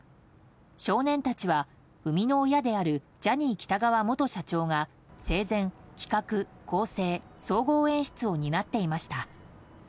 「少年たち」は生みの親であるジャニー喜多川元社長が生前、企画・構成・総合演出を担っていました。